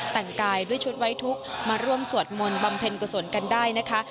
แต่งกายด้วยชุดไว้ทุกข์มาร่วมสวดมนต์บำเพ็ญกุศลกันได้นะคะ